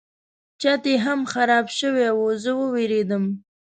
چت یې هم خراب شوی و زه وویرېدم.